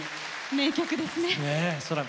名曲ですね。